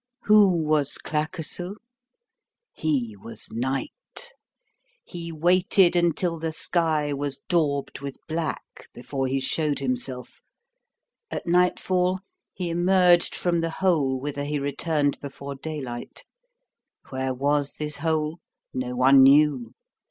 Who was Claquesous? He was night. He waited until the sky was daubed with black, before he showed himself. At nightfall he emerged from the hole whither he returned before daylight. Where was this hole? No one knew.